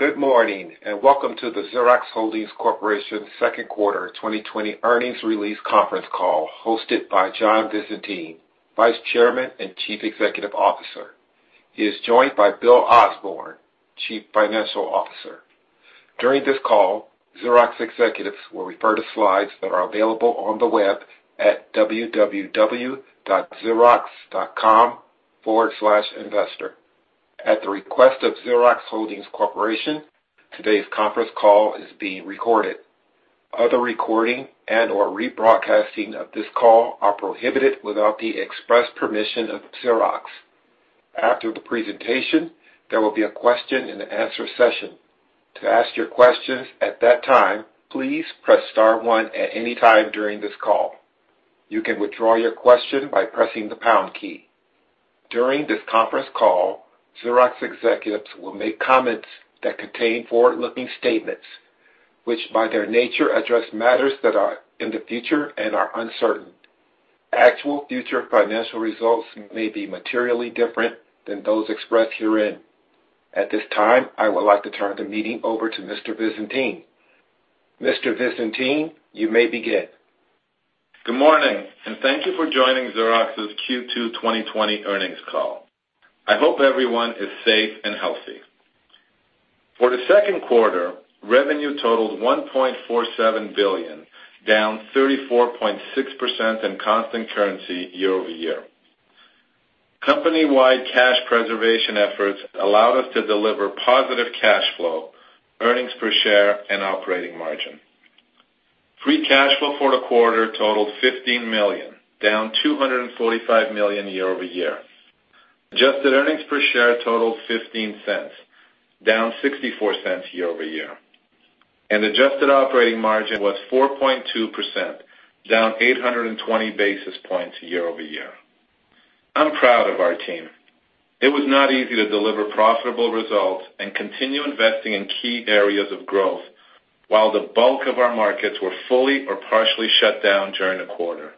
Good morning and welcome to the Xerox Holdings Corporation Second Quarter 2020 Earnings Release Conference Call hosted by John Visentin, Vice Chairman and Chief Executive Officer. He is joined by Bill Osbourn, Chief Financial Officer. During this call, Xerox executives will refer to slides that are available on the web at www.xerox.com/investor. At the request of Xerox Holdings Corporation, today's conference call is being recorded. Other recording and/or rebroadcasting of this call are prohibited without the express permission of Xerox. After the presentation, there will be a question and answer session. To ask your questions at that time, please press star one at any time during this call. You can withdraw your question by pressing the pound key. During this conference call, Xerox executives will make comments that contain forward-looking statements, which by their nature address matters that are in the future and are uncertain. Actual future financial results may be materially different than those expressed herein. At this time, I would like to turn the meeting over to Mr. Visentin. Mr. Visentin, you may begin. Good morning and thank you for joining Xerox's Q2 2020 Earnings Call. I hope everyone is safe and healthy. For the second quarter, revenue totaled $1.47 billion, down 34.6% in constant currency year-over-year. Company-wide cash preservation efforts allowed us to deliver positive cash flow, earnings per share, and operating margin. Free cash flow for the quarter totaled $15 million, down $245 million year-over-year. Adjusted earnings per share totaled $0.15, down $0.64 year-over-year. Adjusted operating margin was 4.2%, down 820 basis points year-over-year. I'm proud of our team. It was not easy to deliver profitable results and continue investing in key areas of growth while the bulk of our markets were fully or partially shut down during the quarter.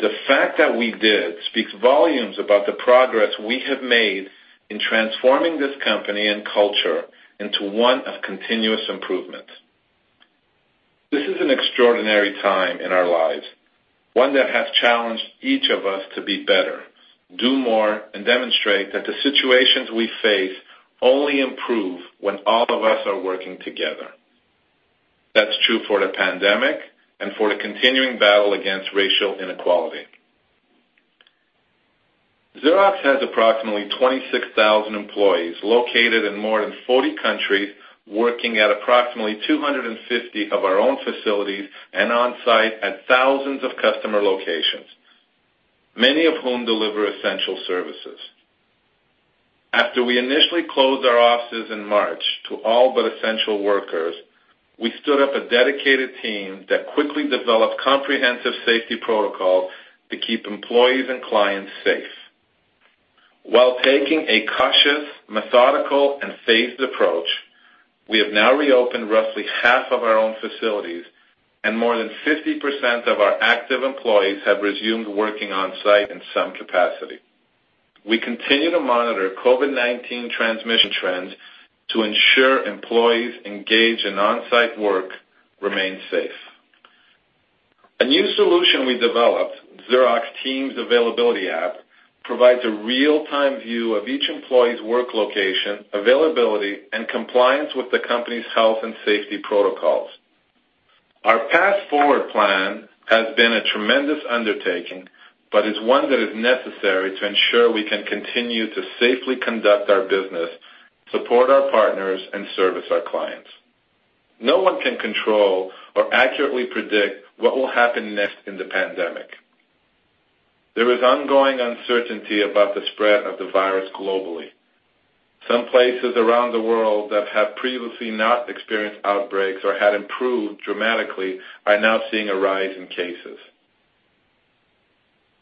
The fact that we did speaks volumes about the progress we have made in transforming this company and culture into one of continuous improvement. This is an extraordinary time in our lives, one that has challenged each of us to be better, do more, and demonstrate that the situations we face only improve when all of us are working together. That's true for the pandemic and for the continuing battle against racial inequality. Xerox has approximately 26,000 employees located in more than 40 countries, working at approximately 250 of our own facilities and on-site at thousands of customer locations, many of whom deliver essential services. After we initially closed our offices in March to all but essential workers, we stood up a dedicated team that quickly developed comprehensive safety protocols to keep employees and clients safe. While taking a cautious, methodical, and phased approach, we have now reopened roughly half of our own facilities, and more than 50% of our active employees have resumed working on-site in some capacity. We continue to monitor COVID-19 transmission trends to ensure employees engaged in on-site work remain safe. A new solution we developed, Xerox Team Availability App, provides a real-time view of each employee's work location, availability, and compliance with the company's health and safety protocols. Our path forward plan has been a tremendous undertaking but is one that is necessary to ensure we can continue to safely conduct our business, support our partners, and service our clients. No one can control or accurately predict what will happen next in the pandemic. There is ongoing uncertainty about the spread of the virus globally. Some places around the world that have previously not experienced outbreaks or had improved dramatically are now seeing a rise in cases.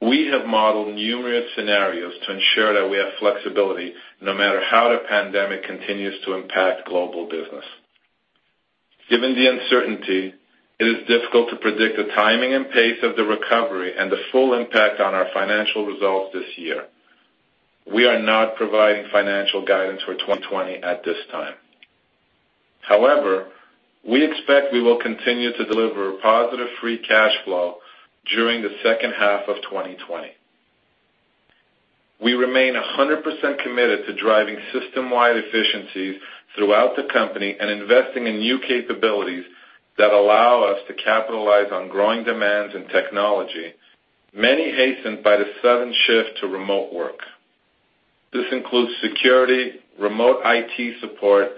We have modeled numerous scenarios to ensure that we have flexibility no matter how the pandemic continues to impact global business. Given the uncertainty, it is difficult to predict the timing and pace of the recovery and the full impact on our financial results this year. We are not providing financial guidance for 2020 at this time. However, we expect we will continue to deliver positive free cash flow during the second half of 2020. We remain 100% committed to driving system-wide efficiencies throughout the company and investing in new capabilities that allow us to capitalize on growing demands in technology, many hastened by the sudden shift to remote work. This includes security, remote IT support,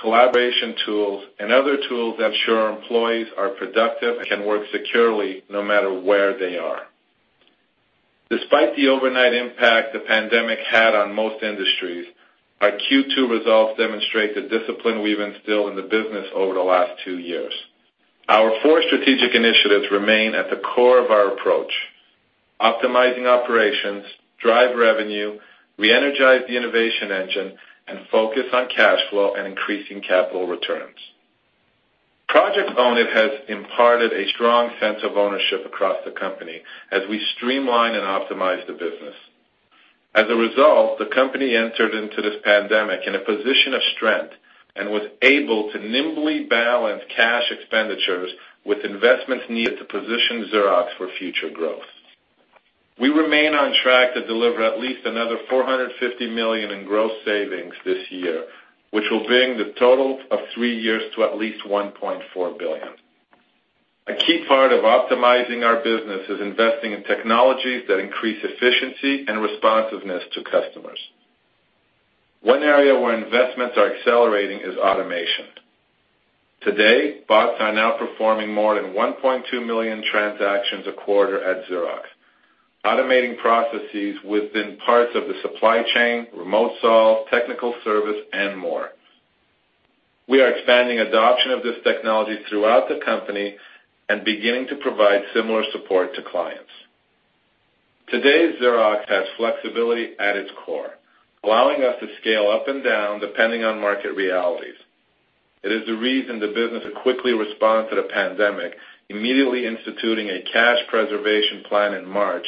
collaboration tools, and other tools that ensure employees are productive and can work securely no matter where they are. Despite the overnight impact the pandemic had on most industries, our Q2 results demonstrate the discipline we've instilled in the business over the last two years. Our four strategic initiatives remain at the core of our approach: optimizing operations, drive revenue, re-energize the innovation engine, and focus on cash flow and increasing capital returns. Project Own It has imparted a strong sense of ownership across the company as we streamline and optimize the business. As a result, the company entered into this pandemic in a position of strength and was able to nimbly balance cash expenditures with investments needed to position Xerox for future growth. We remain on track to deliver at least another $450 million in gross savings this year, which will bring the total of three years to at least $1.4 billion. A key part of optimizing our business is investing in technologies that increase efficiency and responsiveness to customers. One area where investments are accelerating is automation. Today, bots are now performing more than 1.2 million transactions a quarter at Xerox, automating processes within parts of the supply chain, remote sales, technical service, and more. We are expanding adoption of this technology throughout the company and beginning to provide similar support to clients. Today's Xerox has flexibility at its core, allowing us to scale up and down depending on market realities. It is the reason the business quickly responded to the pandemic, immediately instituting a cash preservation plan in March,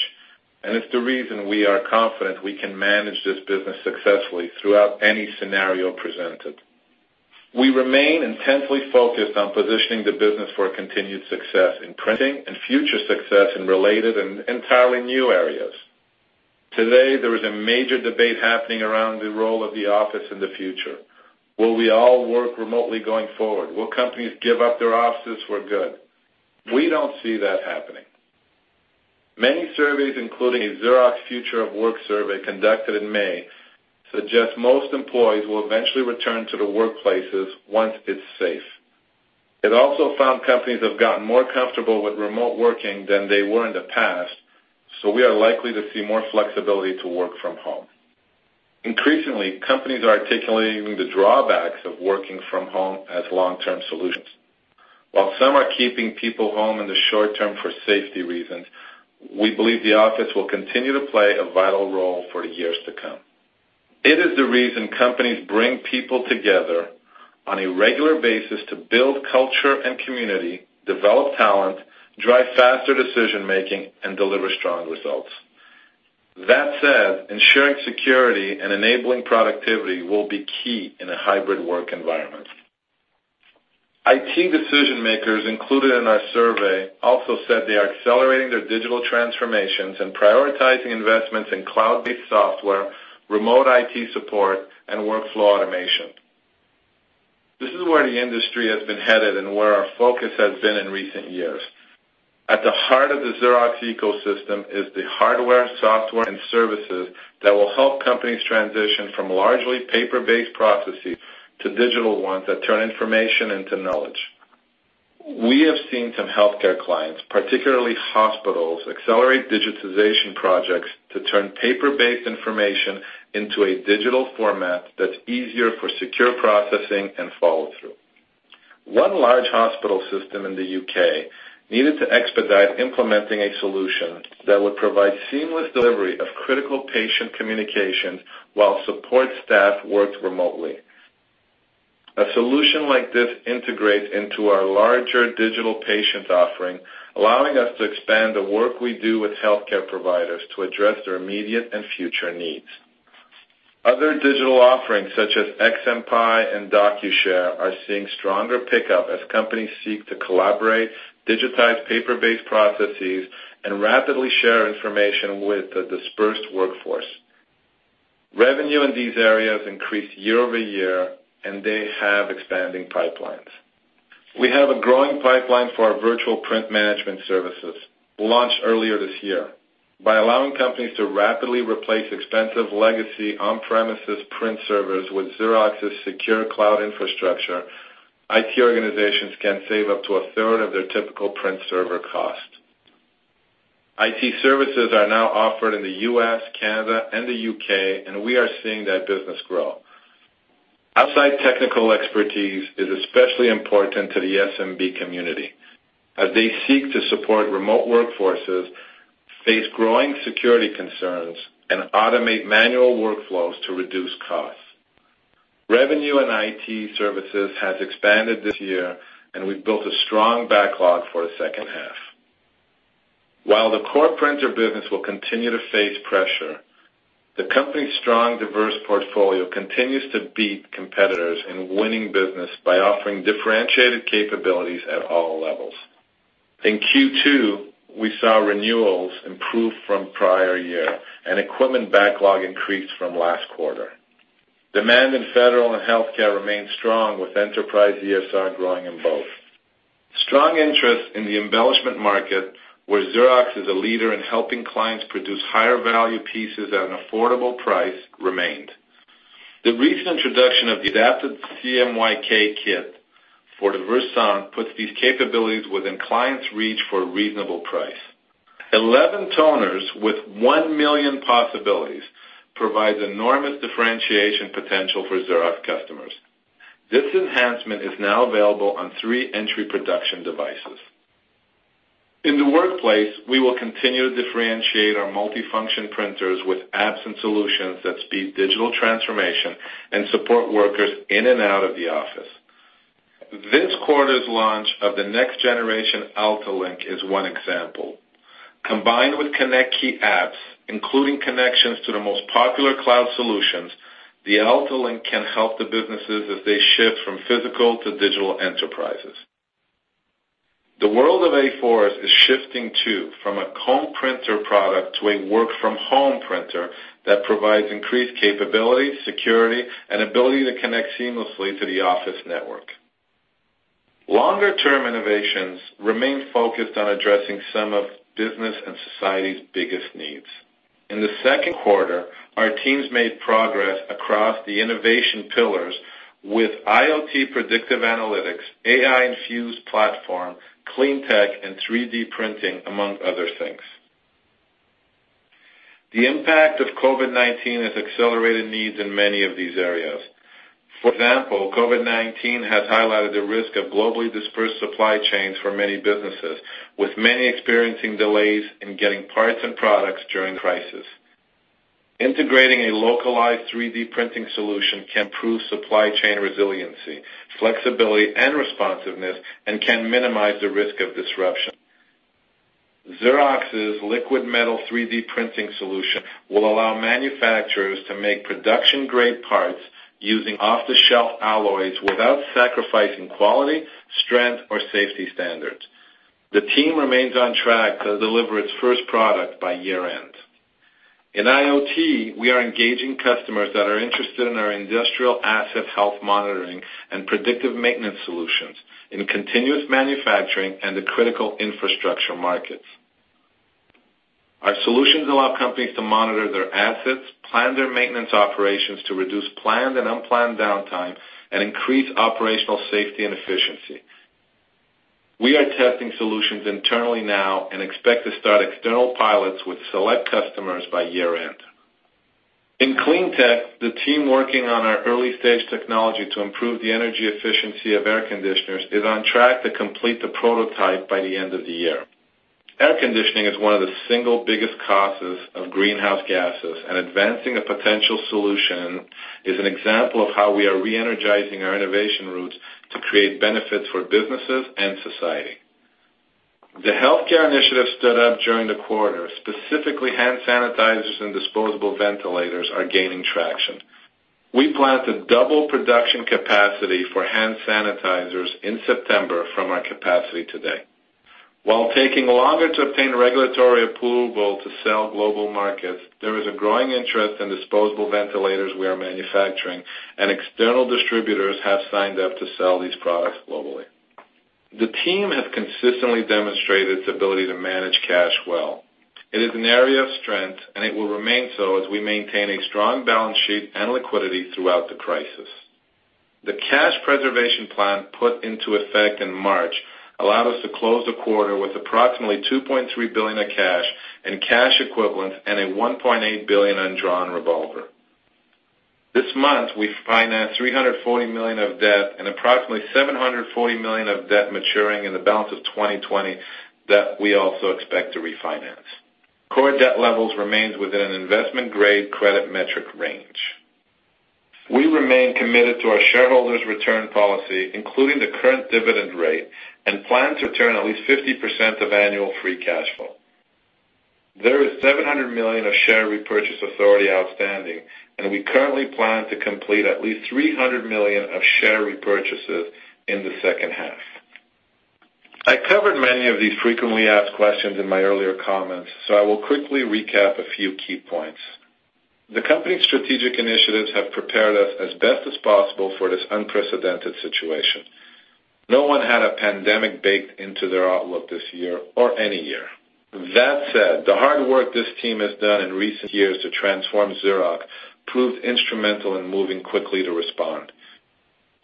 and it's the reason we are confident we can manage this business successfully throughout any scenario presented. We remain intensely focused on positioning the business for continued success in printing and future success in related and entirely new areas. Today, there is a major debate happening around the role of the office in the future. Will we all work remotely going forward? Will companies give up their offices for good? We don't see that happening. Many surveys, including a Xerox Future of Work survey conducted in May, suggest most employees will eventually return to the workplaces once it's safe. It also found companies have gotten more comfortable with remote working than they were in the past, so we are likely to see more flexibility to work from home. Increasingly, companies are articulating the drawbacks of working from home as long-term solutions. While some are keeping people home in the short term for safety reasons, we believe the office will continue to play a vital role for the years to come. It is the reason companies bring people together on a regular basis to build culture and community, develop talent, drive faster decision-making, and deliver strong results. That said, ensuring security and enabling productivity will be key in a hybrid work environment. IT decision-makers included in our survey also said they are accelerating their digital transformations and prioritizing investments in cloud-based software, remote IT support, and workflow automation. This is where the industry has been headed and where our focus has been in recent years. At the heart of the Xerox ecosystem is the hardware, software, and services that will help companies transition from largely paper-based processes to digital ones that turn information into knowledge. We have seen some healthcare clients, particularly hospitals, accelerate digitization projects to turn paper-based information into a digital format that's easier for secure processing and follow-through. One large hospital system in the UK needed to expedite implementing a solution that would provide seamless delivery of critical patient communications while support staff worked remotely. A solution like this integrates into our larger digital patient offering, allowing us to expand the work we do with healthcare providers to address their immediate and future needs. Other digital offerings such as XMPie and DocuShare are seeing stronger pickup as companies seek to collaborate, digitize paper-based processes, and rapidly share information with a dispersed workforce. Revenue in these areas increased year-over-year, and they have expanding pipelines. We have a growing pipeline for our virtual print management services, launched earlier this year. By allowing companies to rapidly replace expensive legacy on-premises print servers with Xerox's secure cloud infrastructure, IT organizations can save up to a third of their typical print server cost. IT services are now offered in the U.S., Canada, and the U.K., and we are seeing that business grow. Outside technical expertise is especially important to the SMB community as they seek to support remote workforces, face growing security concerns, and automate manual workflows to reduce costs. Revenue in IT services has expanded this year, and we've built a strong backlog for the second half. While the core printer business will continue to face pressure, the company's strong, diverse portfolio continues to beat competitors in winning business by offering differentiated capabilities at all levels. In Q2, we saw renewals improve from prior year, and equipment backlog increased from last quarter. Demand in federal and healthcare remained strong, with Enterprise ESR growing in both. Strong interest in the embellishment market, where Xerox is a leader in helping clients produce higher-value pieces at an affordable price, remained. The recent introduction of the Adaptive CMYK kit for the Versant puts these capabilities within clients' reach for a reasonable price. 11 toners with 1 million possibilities provides enormous differentiation potential for Xerox customers. This enhancement is now available on 3 entry production devices. In the workplace, we will continue to differentiate our multi-function printers with apps and solutions that speed digital transformation and support workers in and out of the office. This quarter's launch of the next-generation AltaLink is one example. Combined with ConnectKey apps, including connections to the most popular cloud solutions, the AltaLink can help the businesses as they shift from physical to digital enterprises. The world of A4s is shifting too from a home printer product to a work-from-home printer that provides increased capability, security, and ability to connect seamlessly to the office network. Longer-term innovations remain focused on addressing some of business and society's biggest needs. In the second quarter, our teams made progress across the innovation pillars with IoT predictive analytics, AI-infused platform, Cleantech, and 3D printing, among other things. The impact of COVID-19 has accelerated needs in many of these areas. For example, COVID-19 has highlighted the risk of globally dispersed supply chains for many businesses, with many experiencing delays in getting parts and products during the crisis. Integrating a localized 3D printing solution can improve supply chain resiliency, flexibility, and responsiveness, and can minimize the risk of disruption. Xerox's liquid metal 3D printing solution will allow manufacturers to make production-grade parts using off-the-shelf alloys without sacrificing quality, strength, or safety standards. The team remains on track to deliver its first product by year-end. In IoT, we are engaging customers that are interested in our industrial asset health monitoring and predictive maintenance solutions in continuous manufacturing and the critical infrastructure markets. Our solutions allow companies to monitor their assets, plan their maintenance operations to reduce planned and unplanned downtime, and increase operational safety and efficiency. We are testing solutions internally now and expect to start external pilots with select customers by year-end. In Cleantech, the team working on our early-stage technology to improve the energy efficiency of air conditioners is on track to complete the prototype by the end of the year. Air conditioning is one of the single biggest causes of greenhouse gases, and advancing a potential solution is an example of how we are re-energizing our innovation routes to create benefits for businesses and society. The healthcare initiative stood up during the quarter. Specifically, hand sanitizers and disposable ventilators are gaining traction. We plan to double production capacity for hand sanitizers in September from our capacity today. While taking longer to obtain regulatory approval to sell global markets, there is a growing interest in disposable ventilators we are manufacturing, and external distributors have signed up to sell these products globally. The team has consistently demonstrated its ability to manage cash well. It is an area of strength, and it will remain so as we maintain a strong balance sheet and liquidity throughout the crisis. The cash preservation plan put into effect in March allowed us to close the quarter with approximately $2.3 billion of cash and cash equivalents and a $1.8 billion undrawn revolver. This month, we financed $340 million of debt and approximately $740 million of debt maturing in the balance of 2020 that we also expect to refinance. Core debt levels remain within an investment-grade credit metric range. We remain committed to our shareholders' return policy, including the current dividend rate, and plan to return at least 50% of annual free cash flow. There is $700 million of share repurchase authority outstanding, and we currently plan to complete at least $300 million of share repurchases in the second half. I covered many of these frequently asked questions in my earlier comments, so I will quickly recap a few key points. The company's strategic initiatives have prepared us as best as possible for this unprecedented situation. No one had a pandemic baked into their outlook this year or any year. That said, the hard work this team has done in recent years to transform Xerox proved instrumental in moving quickly to respond.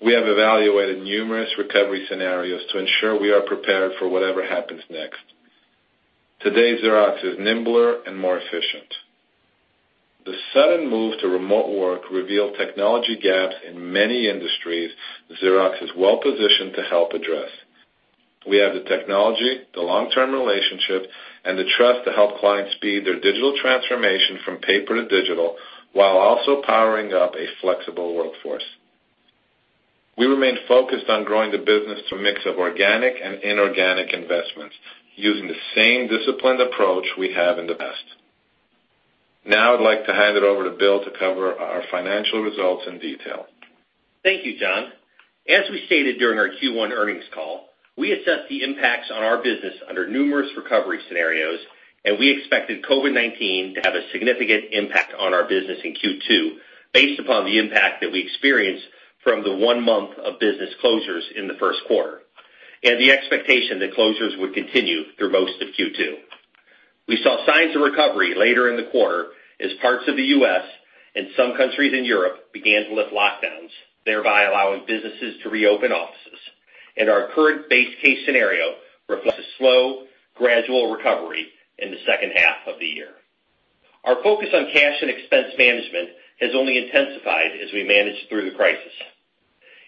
We have evaluated numerous recovery scenarios to ensure we are prepared for whatever happens next. Today, Xerox is nimble and more efficient. The sudden move to remote work revealed technology gaps in many industries Xerox is well-positioned to help address. We have the technology, the long-term relationship, and the trust to help clients speed their digital transformation from paper to digital while also powering up a flexible workforce. We remain focused on growing the business through a mix of organic and inorganic investments using the same disciplined approach we have in the past. Now, I'd like to hand it over to Bill to cover our financial results in detail. Thank you, John. As we stated during our Q1 Earnings Call, we assessed the impacts on our business under numerous recovery scenarios, and we expected COVID-19 to have a significant impact on our business in Q2 based upon the impact that we experienced from the one month of business closures in the first quarter and the expectation that closures would continue through most of Q2. We saw signs of recovery later in the quarter as parts of the U.S. and some countries in Europe began to lift lockdowns, thereby allowing businesses to reopen offices. Our current base case scenario reflects a slow, gradual recovery in the second half of the year. Our focus on cash and expense management has only intensified as we managed through the crisis.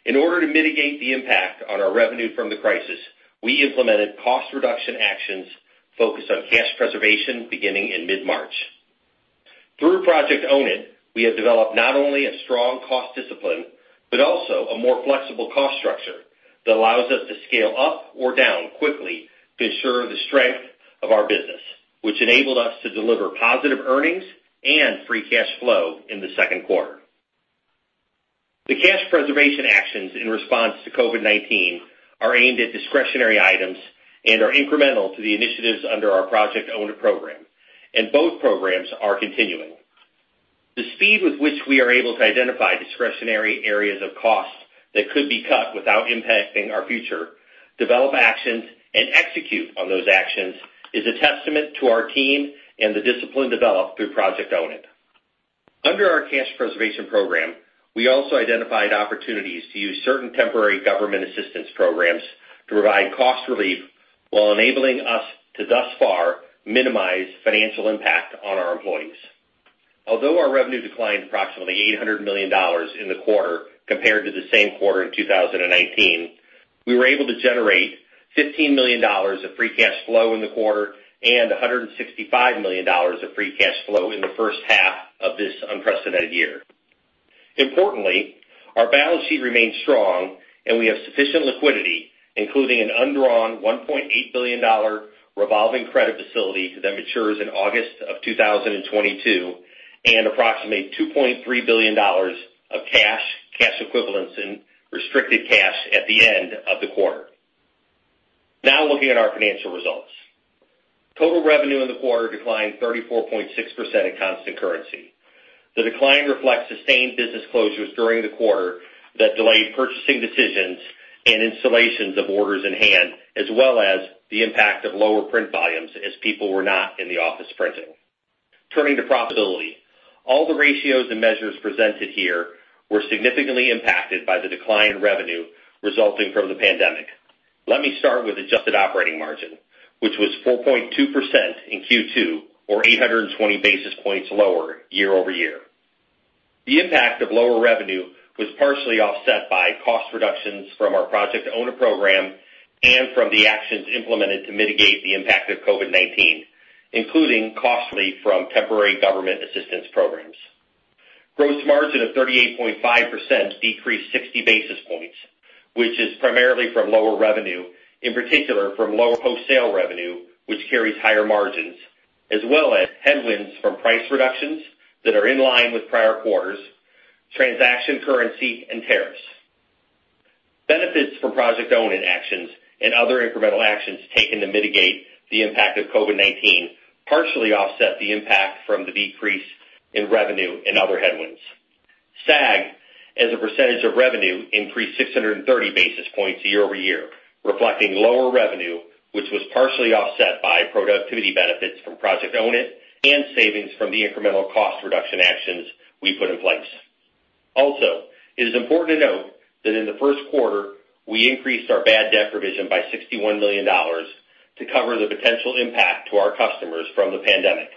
In order to mitigate the impact on our revenue from the crisis, we implemented cost-reduction actions focused on cash preservation beginning in mid-March. Through Project Own It, we have developed not only a strong cost discipline but also a more flexible cost structure that allows us to scale up or down quickly to ensure the strength of our business, which enabled us to deliver positive earnings and free cash flow in the second quarter. The cash preservation actions in response to COVID-19 are aimed at discretionary items and are incremental to the initiatives under our Project Own It program, and both programs are continuing. The speed with which we are able to identify discretionary areas of cost that could be cut without impacting our future, develop actions, and execute on those actions is a testament to our team and the discipline developed through Project Own It. Under our cash preservation program, we also identified opportunities to use certain temporary government assistance programs to provide cost relief while enabling us to thus far minimize financial impact on our employees. Although our revenue declined approximately $800 million in the quarter compared to the same quarter in 2019, we were able to generate $15 million of free cash flow in the quarter and $165 million of free cash flow in the first half of this unprecedented year. Importantly, our balance sheet remained strong, and we have sufficient liquidity, including an undrawn $1.8 billion revolving credit facility that matures in August of 2022 and approximately $2.3 billion of cash, cash equivalents, and restricted cash at the end of the quarter. Now, looking at our financial results, total revenue in the quarter declined 34.6% in constant currency. The decline reflects sustained business closures during the quarter that delayed purchasing decisions and installations of orders in hand, as well as the impact of lower print volumes as people were not in the office printing. Turning to profitability, all the ratios and measures presented here were significantly impacted by the decline in revenue resulting from the pandemic. Let me start with adjusted operating margin, which was 4.2% in Q2, or 820 basis points lower year-over-year. The impact of lower revenue was partially offset by cost reductions from our Project Own It program and from the actions implemented to mitigate the impact of COVID-19, including cost relief from temporary government assistance programs. Gross margin of 38.5% decreased 60 basis points, which is primarily from lower revenue, in particular from lower post-sale revenue, which carries higher margins, as well as headwinds from price reductions that are in line with prior quarters, transaction currency, and tariffs. Benefits from Project Own It actions and other incremental actions taken to mitigate the impact of COVID-19 partially offset the impact from the decrease in revenue and other headwinds. SAG, as a percentage of revenue, increased 630 basis points year-over-year, reflecting lower revenue, which was partially offset by productivity benefits from Project Own It and savings from the incremental cost reduction actions we put in place. Also, it is important to note that in the first quarter, we increased our bad debt provision by $61 million to cover the potential impact to our customers from the pandemic.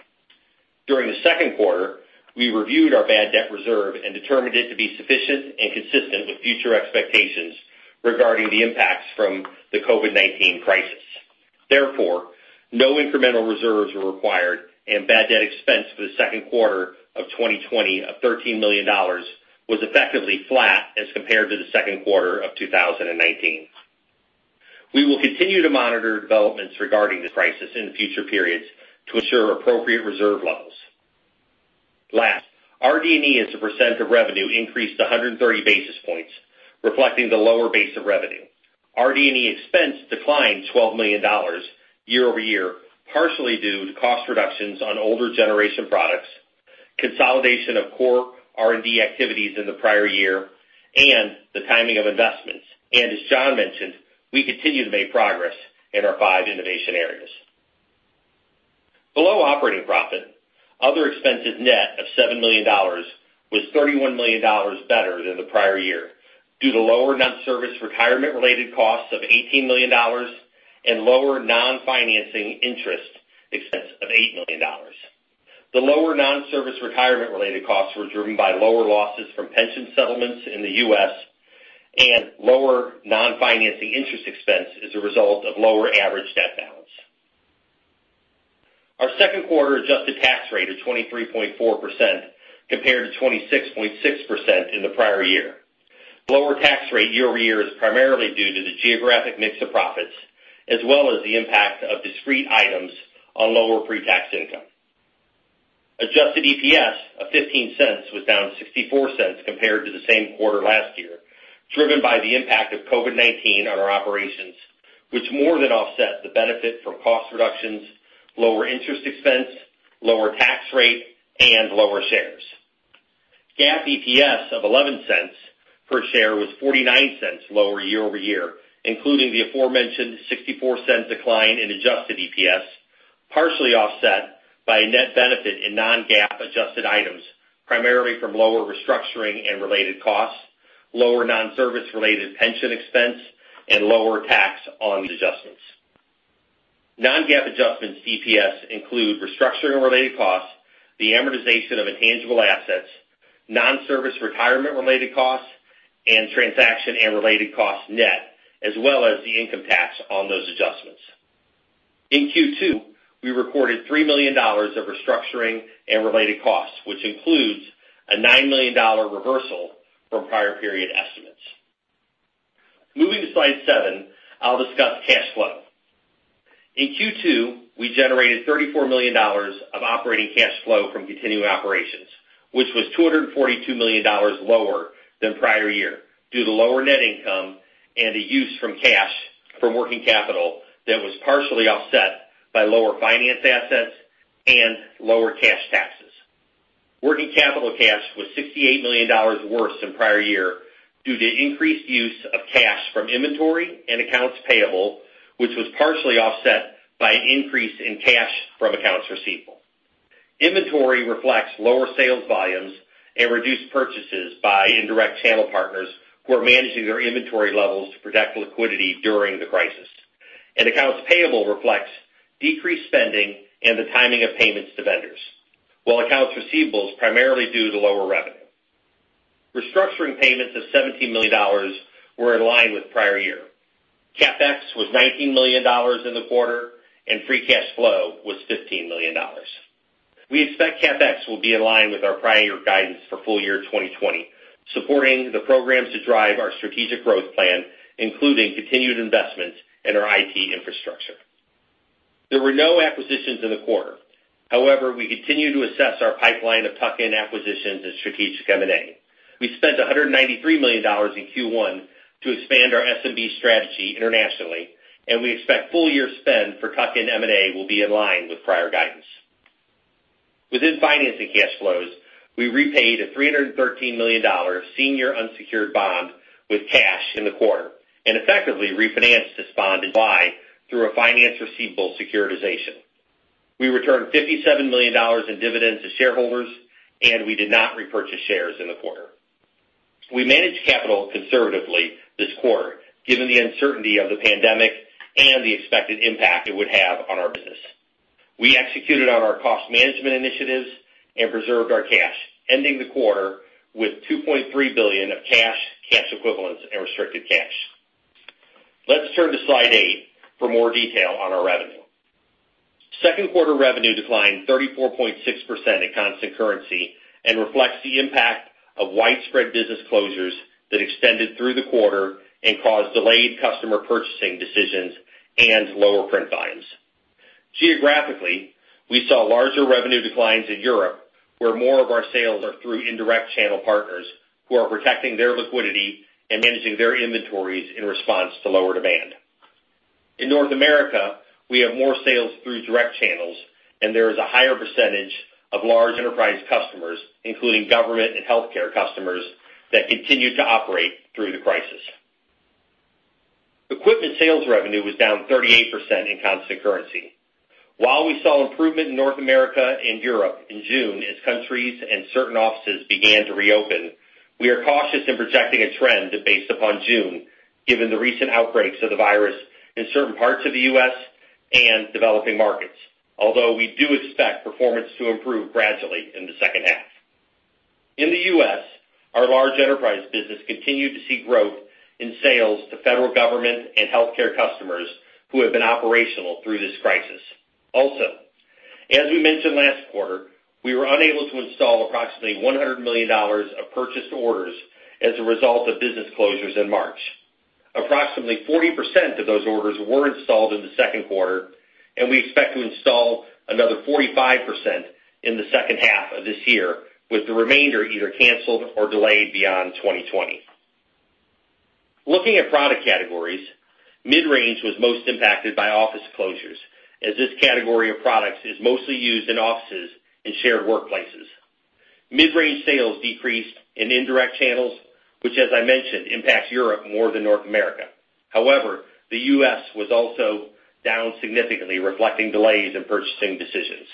During the second quarter, we reviewed our bad debt reserve and determined it to be sufficient and consistent with future expectations regarding the impacts from the COVID-19 crisis. Therefore, no incremental reserves were required, and bad debt expense for the second quarter of 2020 of $13 million was effectively flat as compared to the second quarter of 2019. We will continue to monitor developments regarding the crisis in future periods to ensure appropriate reserve levels. Last, our RD&E as a percent of revenue increased to 130 basis points, reflecting the lower base of revenue. RD&E expense declined $12 million year-over-year, partially due to cost reductions on older generation products, consolidation of core R&D activities in the prior year, and the timing of investments. As John mentioned, we continue to make progress in our five innovation areas. Below operating profit, other expenses net of $7 million was $31 million better than the prior year due to lower non-service retirement-related costs of $18 million and lower non-financing interest expense of $8 million. The lower non-service retirement-related costs were driven by lower losses from pension settlements in the U.S. and lower non-financing interest expense as a result of lower average debt balance. Our second quarter adjusted tax rate of 23.4% compared to 26.6% in the prior year. Lower tax rate year-over-year is primarily due to the geographic mix of profits, as well as the impact of discrete items on lower pre-tax income. Adjusted EPS of $0.15 was down $0.64 compared to the same quarter last year, driven by the impact of COVID-19 on our operations, which more than offset the benefit from cost reductions, lower interest expense, lower tax rate, and lower shares. GAAP EPS of $0.11 per share was $0.49 lower year-over-year, including the aforementioned $0.64 decline in adjusted EPS, partially offset by a net benefit in non-GAAP adjusted items, primarily from lower restructuring and related costs, lower non-service-related pension expense, and lower tax on adjustments. Non-GAAP adjustments EPS include restructuring-related costs, the amortization of intangible assets, non-service retirement-related costs, and transaction-and-related-costs net, as well as the income tax on those adjustments. In Q2, we recorded $3 million of restructuring and related costs, which includes a $9 million reversal from prior period estimates. Moving to slide 7, I'll discuss cash flow. In Q2, we generated $34 million of operating cash flow from continuing operations, which was $242 million lower than prior year due to lower net income and a use from cash from working capital that was partially offset by lower finance assets and lower cash taxes. Working capital cash was $68 million worse than prior year due to increased use of cash from inventory and accounts payable, which was partially offset by an increase in cash from accounts receivable. Inventory reflects lower sales volumes and reduced purchases by indirect channel partners who are managing their inventory levels to protect liquidity during the crisis. Accounts payable reflects decreased spending and the timing of payments to vendors, while accounts receivable primarily due to lower revenue. Restructuring payments of $17 million were in line with prior year. CapEx was $19 million in the quarter, and free cash flow was $15 million. We expect CapEx will be in line with our prior year guidance for full year 2020, supporting the programs to drive our strategic growth plan, including continued investments in our IT infrastructure. There were no acquisitions in the quarter. However, we continue to assess our pipeline of tuck-in acquisitions and strategic M&A. We spent $193 million in Q1 to expand our SMB strategy internationally, and we expect full year spend for tuck-in M&A will be in line with prior guidance. Within financing cash flows, we repaid a $313 million senior unsecured bond with cash in the quarter and effectively refinanced this bond in July through a finance receivable securitization. We returned $57 million in dividends to shareholders, and we did not repurchase shares in the quarter. We managed capital conservatively this quarter, given the uncertainty of the pandemic and the expected impact it would have on our business. We executed on our cost management initiatives and preserved our cash, ending the quarter with $2.3 billion of cash, cash equivalents, and restricted cash. Let's turn to slide 8 for more detail on our revenue. Second quarter revenue declined 34.6% in constant currency and reflects the impact of widespread business closures that extended through the quarter and caused delayed customer purchasing decisions and lower print volumes. Geographically, we saw larger revenue declines in Europe, where more of our sales are through indirect channel partners who are protecting their liquidity and managing their inventories in response to lower demand. In North America, we have more sales through direct channels, and there is a higher percentage of large enterprise customers, including government and healthcare customers, that continue to operate through the crisis. Equipment sales revenue was down 38% in constant currency. While we saw improvement in North America and Europe in June as countries and certain offices began to reopen, we are cautious in projecting a trend based upon June, given the recent outbreaks of the virus in certain parts of the U.S. and developing markets, although we do expect performance to improve gradually in the second half. In the U.S., our large enterprise business continued to see growth in sales to federal government and healthcare customers who have been operational through this crisis. Also, as we mentioned last quarter, we were unable to install approximately $100 million of purchased orders as a result of business closures in March. Approximately 40% of those orders were installed in the second quarter, and we expect to install another 45% in the second half of this year, with the remainder either canceled or delayed beyond 2020. Looking at product categories, mid-range was most impacted by office closures, as this category of products is mostly used in offices and shared workplaces. Mid-range sales decreased in indirect channels, which, as I mentioned, impacts Europe more than North America. However, the U.S. was also down significantly, reflecting delays in purchasing decisions.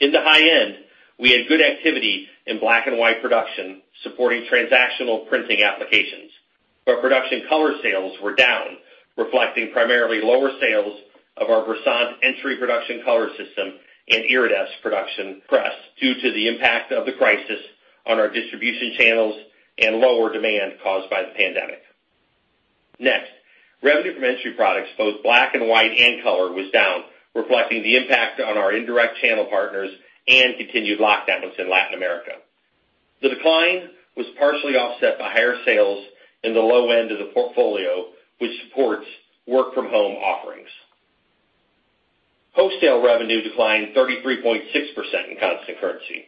In the high end, we had good activity in black and white production supporting transactional printing applications, but production color sales were down, reflecting primarily lower sales of our Versant entry production color system and Iridesse production press due to the impact of the crisis on our distribution channels and lower demand caused by the pandemic. Next, revenue from entry products, both black and white and color, was down, reflecting the impact on our indirect channel partners and continued lockdowns in Latin America. The decline was partially offset by higher sales in the low end of the portfolio, which supports work-from-home offerings. Post-sale revenue declined 33.6% in constant currency.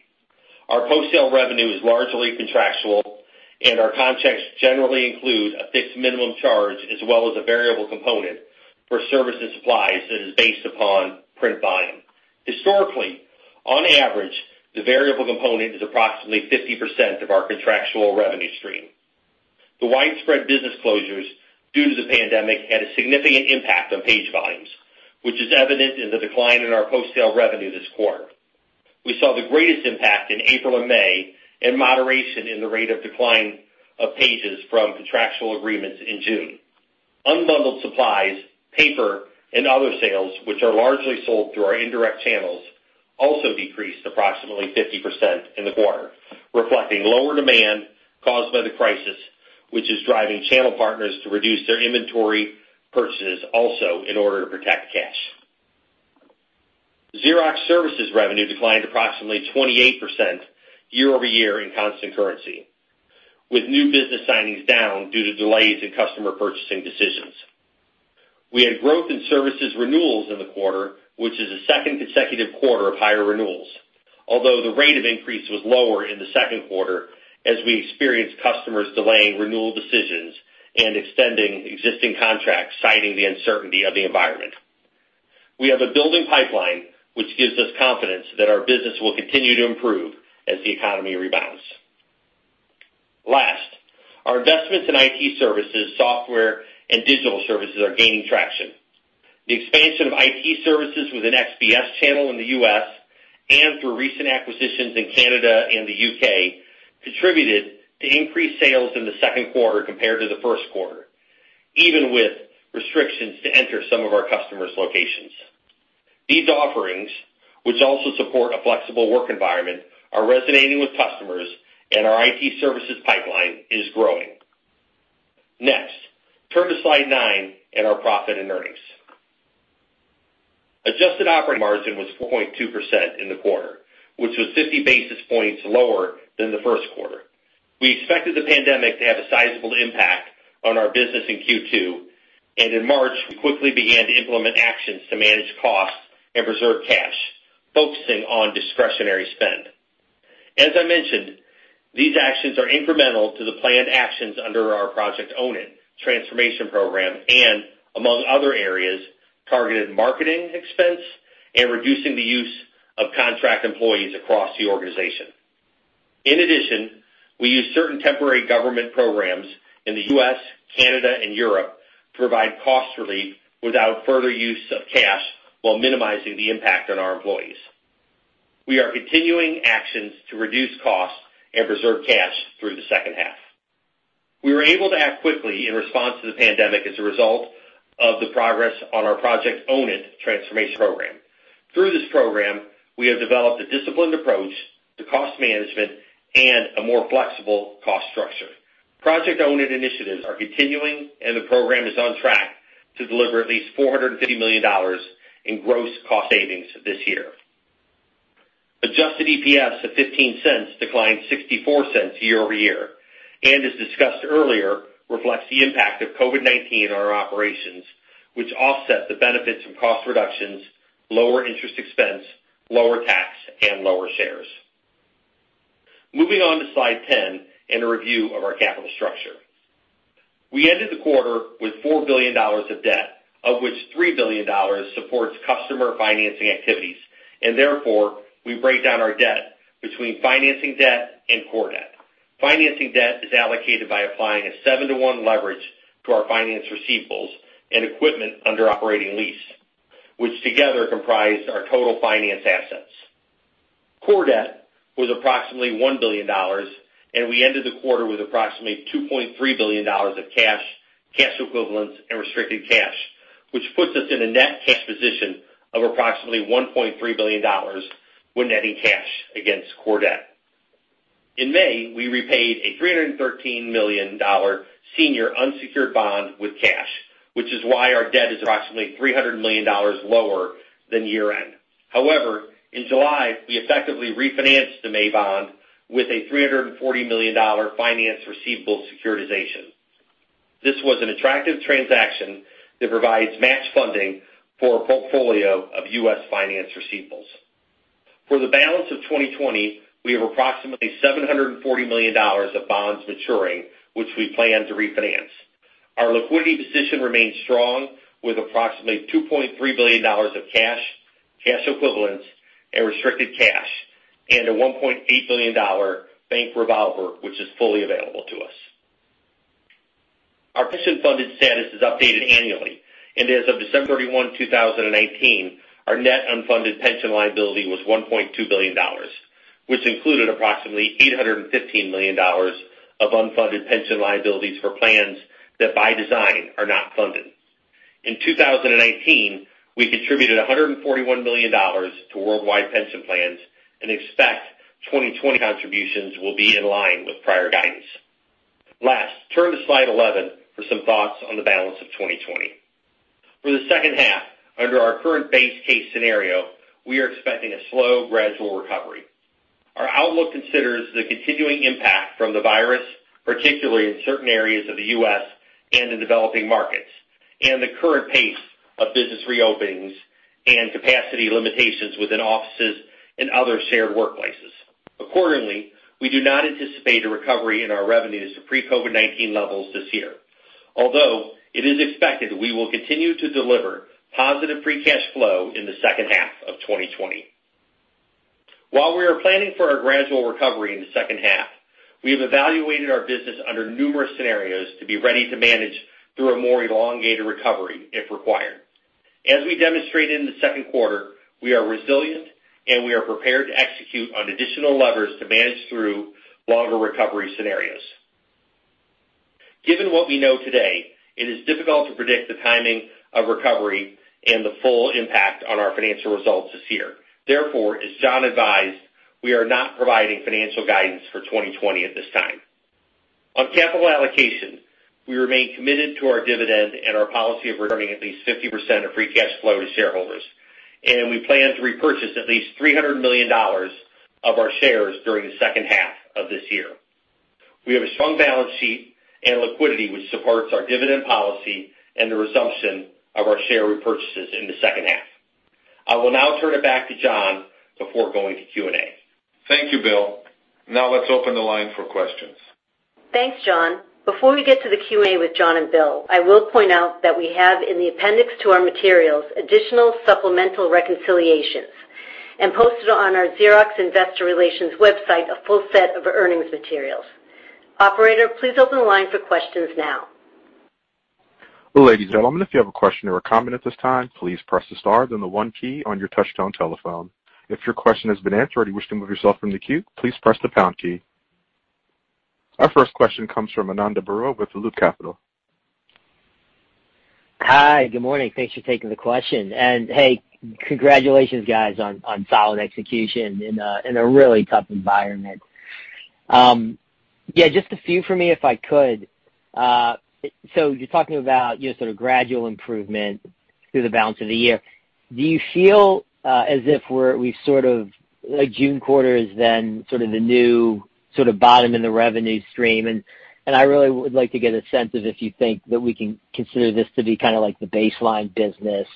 Our post-sale revenue is largely contractual, and our contracts generally include a fixed minimum charge as well as a variable component for service and supplies that is based upon print volume. Historically, on average, the variable component is approximately 50% of our contractual revenue stream. The widespread business closures due to the pandemic had a significant impact on page volumes, which is evident in the decline in our post-sale revenue this quarter. We saw the greatest impact in April and May and moderation in the rate of decline of pages from contractual agreements in June. Unbundled supplies, paper, and other sales, which are largely sold through our indirect channels, also decreased approximately 50% in the quarter, reflecting lower demand caused by the crisis, which is driving channel partners to reduce their inventory purchases also in order to protect cash. Xerox Services revenue declined approximately 28% year-over-year in constant currency, with new business signings down due to delays in customer purchasing decisions. We had growth in services renewals in the quarter, which is the second consecutive quarter of higher renewals, although the rate of increase was lower in the second quarter as we experienced customers delaying renewal decisions and extending existing contracts citing the uncertainty of the environment. We have a building pipeline, which gives us confidence that our business will continue to improve as the economy rebounds. Last, our investments in IT services, software, and digital services are gaining traction. The expansion of IT services with an XBS channel in the U.S. and through recent acquisitions in Canada and the U.K. contributed to increased sales in the second quarter compared to the first quarter, even with restrictions to enter some of our customers' locations. These offerings, which also support a flexible work environment, are resonating with customers, and our IT services pipeline is growing. Next, turn to slide 9 and our profit and earnings. Adjusted operating margin was 4.2% in the quarter, which was 50 basis points lower than the first quarter. We expected the pandemic to have a sizable impact on our business in Q2, and in March, we quickly began to implement actions to manage costs and preserve cash, focusing on discretionary spend. As I mentioned, these actions are incremental to the planned actions under our Project Own It transformation program and, among other areas, targeted marketing expense and reducing the use of contract employees across the organization. In addition, we use certain temporary government programs in the U.S., Canada, and Europe to provide cost relief without further use of cash while minimizing the impact on our employees. We are continuing actions to reduce costs and preserve cash through the second half. We were able to act quickly in response to the pandemic as a result of the progress on our Project Own It transformation program. Through this program, we have developed a disciplined approach to cost management and a more flexible cost structure. Project Own It initiatives are continuing, and the program is on track to deliver at least $450 million in gross cost savings this year. Adjusted EPS of $0.15 declined $0.64 year-over-year and, as discussed earlier, reflects the impact of COVID-19 on our operations, which offsets the benefits from cost reductions, lower interest expense, lower tax, and lower shares. Moving on to slide 10 and a review of our capital structure. We ended the quarter with $4 billion of debt, of which $3 billion supports customer financing activities, and therefore, we break down our debt between financing debt and core debt. Financing debt is allocated by applying a 7:1 leverage to our finance receivables and equipment under operating lease, which together comprise our total finance assets. Core debt was approximately $1 billion, and we ended the quarter with approximately $2.3 billion of cash, cash equivalents, and restricted cash, which puts us in a net cash position of approximately $1.3 billion when netting cash against core debt. In May, we repaid a $313 million senior unsecured bond with cash, which is why our debt is approximately $300 million lower than year-end. However, in July, we effectively refinanced the May bond with a $340 million finance receivable securitization. This was an attractive transaction that provides match funding for a portfolio of U.S. finance receivables. For the balance of 2020, we have approximately $740 million of bonds maturing, which we plan to refinance. Our liquidity position remains strong with approximately $2.3 billion of cash, cash equivalents, and restricted cash, and a $1.8 billion bank revolver, which is fully available to us. Our pension funded status is updated annually, and as of December 31, 2019, our net unfunded pension liability was $1.2 billion, which included approximately $815 million of unfunded pension liabilities for plans that by design are not funded. In 2019, we contributed $141 million to worldwide pension plans and expect 2020 contributions will be in line with prior guidance. Last, turn to slide 11 for some thoughts on the balance of 2020. For the second half, under our current base case scenario, we are expecting a slow, gradual recovery. Our outlook considers the continuing impact from the virus, particularly in certain areas of the U.S. and in developing markets, and the current pace of business reopenings and capacity limitations within offices and other shared workplaces. Accordingly, we do not anticipate a recovery in our revenues to pre-COVID-19 levels this year, although it is expected that we will continue to deliver positive free cash flow in the second half of 2020. While we are planning for a gradual recovery in the second half, we have evaluated our business under numerous scenarios to be ready to manage through a more elongated recovery if required. As we demonstrated in the second quarter, we are resilient, and we are prepared to execute on additional levers to manage through longer recovery scenarios. Given what we know today, it is difficult to predict the timing of recovery and the full impact on our financial results this year. Therefore, as John advised, we are not providing financial guidance for 2020 at this time. On capital allocation, we remain committed to our dividend and our policy of returning at least 50% of free cash flow to shareholders, and we plan to repurchase at least $300 million of our shares during the second half of this year. We have a strong balance sheet and liquidity, which supports our dividend policy and the resumption of our share repurchases in the second half. I will now turn it back to John before going to Q&A. Thank you, Bill. Now let's open the line for questions. Thanks, John. Before we get to the Q&A with John and Bill, I will point out that we have in the appendix to our materials additional supplemental reconciliations and posted on our Xerox Investor Relations website a full set of earnings materials. Operator, please open the line for questions now. Ladies and gentlemen, if you have a question or a comment at this time, please press the star, then the one key on your touch-tone telephone. If your question has been answered or you wish to move yourself from the queue, please press the pound key. Our first question comes from Anand Bhavnani with Loop Capital. Hi, good morning. Thanks for taking the question. And hey, congratulations, guys, on solid execution in a really tough environment. Yeah, just a few for me if I could. So you're talking about sort of gradual improvement through the balance of the year. Do you feel as if we've sort of like June quarter is then sort of the new sort of bottom in the revenue stream? And I really would like to get a sense of if you think that we can consider this to be kind of like the baseline business.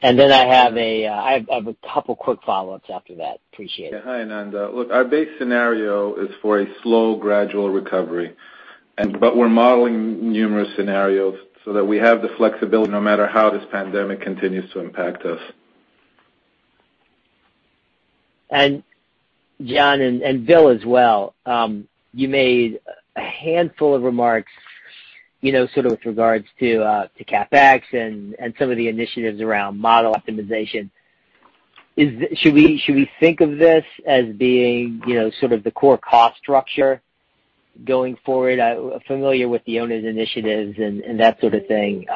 And then I have a couple of quick follow-ups after that. Appreciate it. Yeah, hi, Anand. Look, our base scenario is for a slow, gradual recovery, but we're modeling numerous scenarios so that we have the flexibility no matter how this pandemic continues to impact us. John and Bill as well, you made a handful of remarks sort of with regards to CapEx and some of the initiatives around model optimization. Should we think of this as being sort of the core cost structure going forward? I'm familiar with the Own It initiatives and that sort of thing.